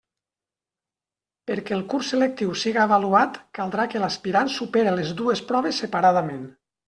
Perquè el curs selectiu siga avaluat, caldrà que l'aspirant supere les dues proves separadament.